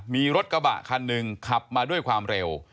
มีรถกระบะคันหนึ่งขับมาด้วยความเร็ว